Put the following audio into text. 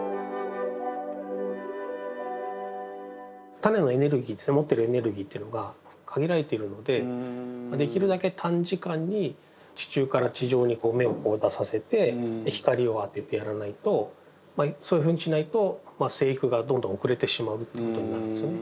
タネのエネルギー持ってるエネルギーっていうのが限られているのでできるだけ短時間に地中から地上に芽を出させて光を当ててやらないとそういうふうにしないと生育がどんどん遅れてしまうっていうことになるんですね。